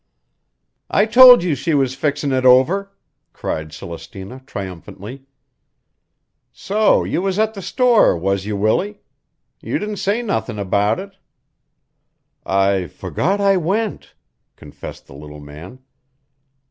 "I told you she was fixin' it over!" cried Celestina triumphantly. "So you was at the store, was you, Willie? You didn't say nothin' about it." "I forgot I went," confessed the little man.